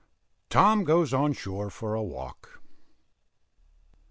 TOM GOES ON SHORE FOR A WALK.